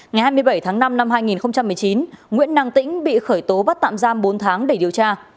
ngày hai mươi bảy tháng năm năm hai nghìn một mươi chín nguyễn năng tĩnh bị khởi tố bắt tạm giam bốn tháng để điều tra